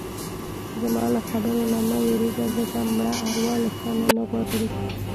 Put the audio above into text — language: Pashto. زما له خبرو نه مه وېرېږه ځکه مړه اروا له چا څه نه غواړي.